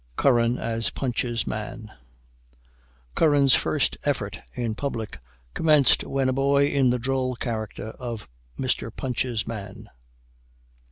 CURRAN AS PUNCH'S MAN. Curran's first effort in public commenced when a boy in the droll character of Mr. Punch's man.